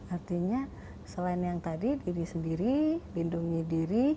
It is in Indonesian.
artinya selain yang tadi diri sendiri lindungi diri